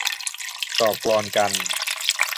ต่อกลอนกัน